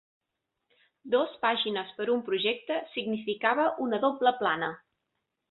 Dos pàgines per un projecte significava una doble plana.